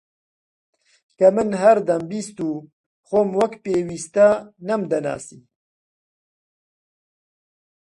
کە من هەر دەمبیست و خۆم وەک پێویستە نەمدەناسی